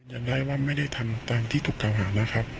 ยังได้ว่าไม่ได้ทำตามที่ถูกกล่าวหานะครับ